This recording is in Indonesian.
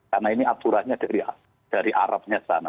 karena ini aturannya dari arabnya sana